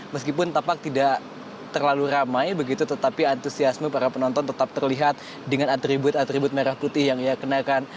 meskipun tampak tidak terlalu ramai begitu tetapi antusiasme para penonton tetap terlihat dengan atribut atribut merah putih yang ia kenakan